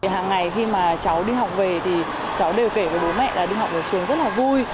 hàng ngày khi mà cháu đi học về thì cháu đều kể với bố mẹ là đi học ở trường rất là vui